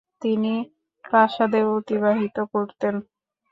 তিনি প্রাসাদে অতিবাহিত করতেন।